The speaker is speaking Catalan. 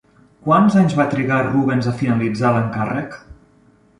Quants anys va trigar Rubens a finalitzar l'encàrrec?